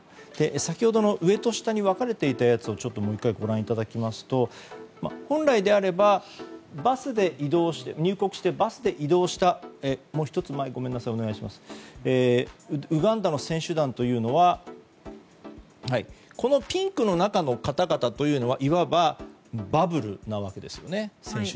先ほどの上と下に分かれていたものをもう１回、ご覧いただきますと本来であれば入国してバスで移動したウガンダの選手団というのはこのピンクの中の方々というのはいわばバブルなわけですよね。